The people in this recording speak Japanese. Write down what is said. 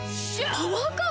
パワーカーブ⁉